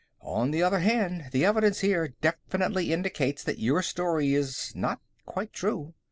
"On the other hand, the evidence here definitely indicates that your story is not quite true.